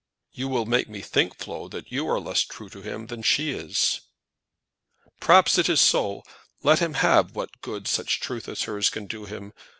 "You will make me think, Flo, that you are less true to him than she is." "Perhaps it is so. Let him have what good such truth as hers can do him.